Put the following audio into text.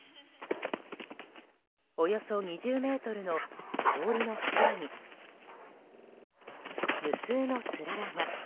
およそ２０ｍの氷の柱に無数のつららが。